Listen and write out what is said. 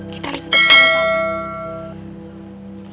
kita harus tetap bersama